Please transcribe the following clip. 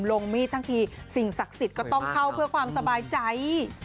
ลงมีดทั้งทีสิ่งศักดิ์สิทธิ์ก็ต้องเข้าเพื่อความสบายใจ